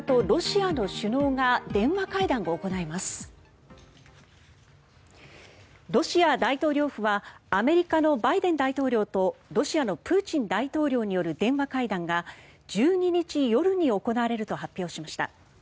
ロシア大統領府はアメリカのバイデン大統領とロシアのプーチン大統領による電話会談が１２日夜に行われると発表しました。